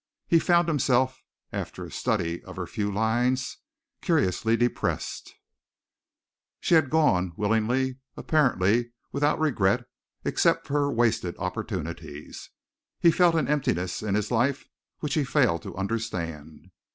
He found himself, after a study of her few lines, curiously depressed. She had gone willingly apparently without regret except for her wasted opportunities. He felt an emptiness in his life which he failed to understand.